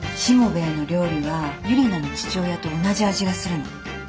しもべえの料理はユリナの父親と同じ味がするの。